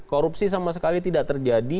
korupsi sama sekali tidak terjadi